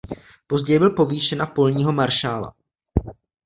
Později byl povýšen na polního maršála.